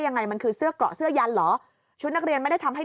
ยังไงมันคือเสื้อเกราะเสื้อยันเหรอชุดนักเรียนไม่ได้ทำให้